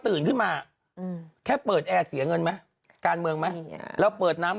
ตื่นขึ้นมาแค่เปิดแอร์เสียเงินไหมการเมืองไหมเราเปิดน้ำ